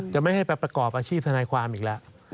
จะไม่ให้ไปประกอบอาชีพทนายความอีกแล้ว